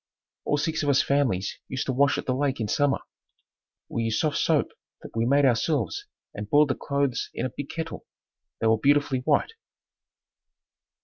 All six of us families used to wash at the lake in summer. We used soft soap that we made ourselves and boiled the clothes in a big kettle. They were beautifully white.